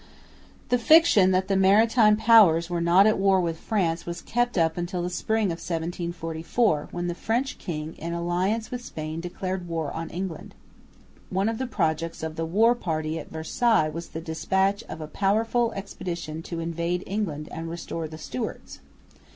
The fiction that the Maritime Powers were not at war with France was kept up until the spring of 1744, when the French king in alliance with Spain declared war on England. One of the projects of the war party at Versailles was the despatch of a powerful expedition to invade England and restore the Stewarts.